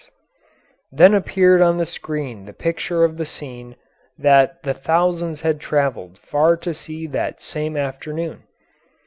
] Then appeared on the screen the picture of the scene that the thousands had travelled far to see that same afternoon.